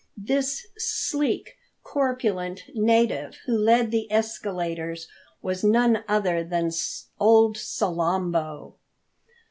This sleek, corpulent native who led the escaladers was none other than old Salambo!